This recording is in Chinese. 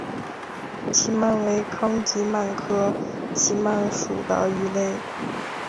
奇鳗为康吉鳗科奇鳗属的鱼类。